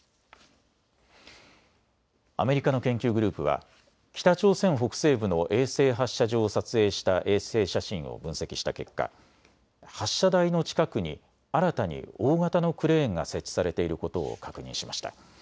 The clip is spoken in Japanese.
アメリカの研究グループは北朝鮮北西部の衛星発射場を撮影した衛星写真を分析した結果、発射台の近くに新たに大型のクレーンが設置されていることを確認しました。